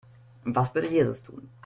Was würde Jesus tun?